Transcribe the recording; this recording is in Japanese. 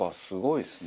すごい。